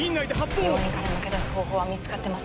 病院から抜け出す方法は見つかってません。